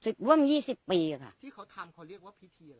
ที่เขาทำเขาเรียกว่าพิธีอะไร